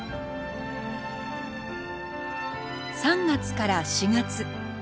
３月から４月。